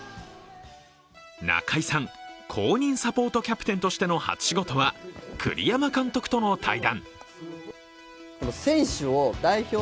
中居さん、公認サポートキャプテンとしての初仕事は栗山監督との対談。